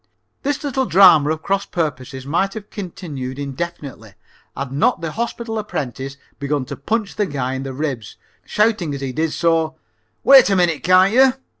This little drama of cross purposes might have continued indefinitely had not the hospital apprentice begun to punch the guy in the ribs, shouting as he did so: "Wait a minute, can't you?"